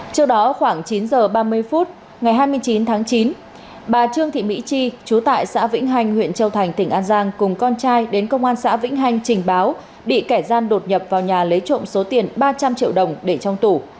trước đó khoảng chín h ba mươi phút ngày hai mươi chín tháng chín bà trương thị mỹ chi chú tại xã vĩnh hành huyện châu thành tỉnh an giang cùng con trai đến công an xã vĩnh hành trình báo bị kẻ gian đột nhập vào nhà lấy trộm số tiền ba trăm linh triệu đồng để trong tủ